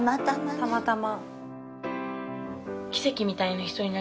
たまたま。